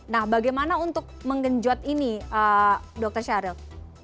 nah bagaimana untuk menggenjot ini dr syariel